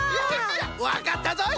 わかったぞい！